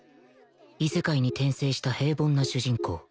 異世界に転生した平凡な主人公